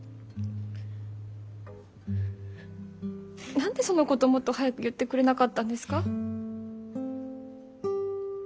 何でそのこともっと早く言ってくれなかったんですか？